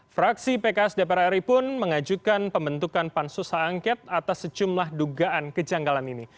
fraksi pks dpr ri pun mengajukan pembentukan pansus h angket atas sejumlah dugaan kejanggalan ini